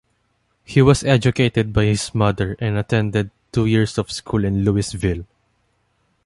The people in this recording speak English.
He was educated by his mother and attended two years of school in Louisville.